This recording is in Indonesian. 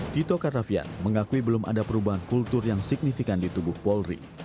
tito karnavian mengakui belum ada perubahan kultur yang signifikan di tubuh polri